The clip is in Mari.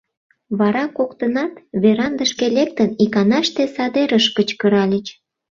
Вара коктынат, верандышке лектын, иканаште садерыш кычкыральыч: